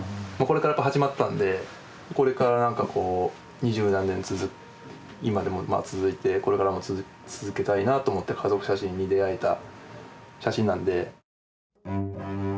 これからやっぱ始まったんでこれからなんかこう二十何年続く今でもまあ続いてこれからも続けたいなと思って家族写真に出会えた写真なんで。